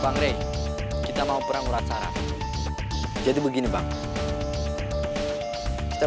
gitu aja gak bisa